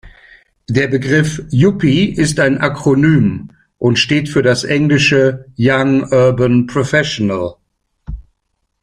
Der Begriff Yuppie ist ein Akronym und steht für das englische young urban professional.